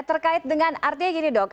terkait dengan artinya gini dok